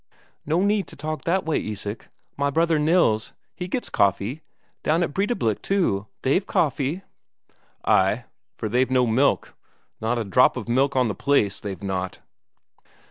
"No need to talk that way, Isak. My brother Nils, he gets coffee; down at Breidablik, too, they've coffee." "Ay, for they've no milk. Not a drop of milk on the place, they've not."